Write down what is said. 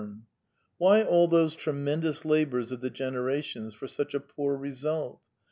Why all those tremendous labours of the generations for such a poor result?